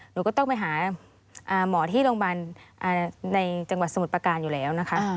หนูก็ต้องไปหาหมอที่โรงพยาบาลในจังหวัดสมุทรประการอยู่แล้วนะคะ